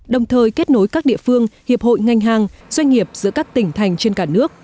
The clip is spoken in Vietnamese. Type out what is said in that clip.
đồng thời kết nối các địa phương hiệp hội ngành hàng doanh nghiệp giữa các tỉnh thành trên cả nước